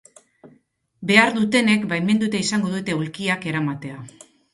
Behar dutenek, baimenduta izango dute aulkiak eramatea.